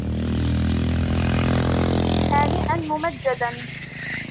هانئا ممجدا